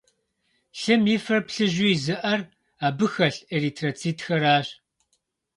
Лъым и фэр плыжьу изыӀэр абы хэлъ эритроцитхэращ.